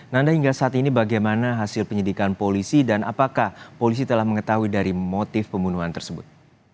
nanda hingga saat ini bagaimana hasil penyidikan polisi dan apakah polisi telah mengetahui dari motif pembunuhan tersebut